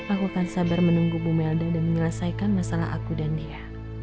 aku akan sabar menunggu bu melda dan menyelesaikan masalah aku dan dia